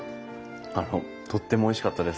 あのとってもおいしかったです。